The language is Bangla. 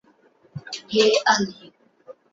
হে আলী!